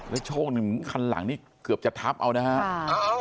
แล้วช่วงหนึ่งคันหลังนี่เกือบจะทับเอานะครับ